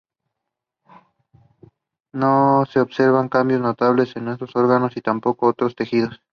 No se observaban cambios notables en otros órganos y tampoco en otros tejidos.